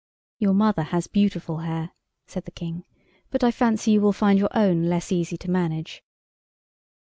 "Your mother has beautiful hair," said the King; "but I fancy you will find your own less easy to manage."